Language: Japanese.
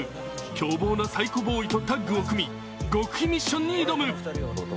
凶暴なサイコボーイとタッグを組み、極秘ミッションに挑む。